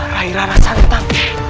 rai rara santan